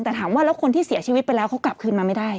แต่ถามว่าแล้วคนที่เสียชีวิตไปแล้วเขากลับคืนมาไม่ได้